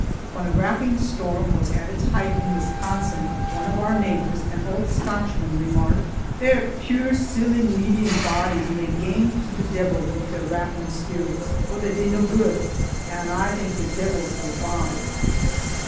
When a rapping storm was at its height in Wisconsin, one of our neighbors, an old Scotchman, remarked, "Thay puir silly medium bodies may gang to the deil wi' their rappin' speerits, for they dae nae gude, and I think the deil's their fayther."